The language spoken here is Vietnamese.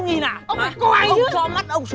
ông cho mắt ông xuống mắt cả chân nhá